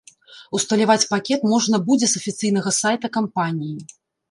Усталяваць пакет можна будзе з афіцыйнага сайта кампаніі.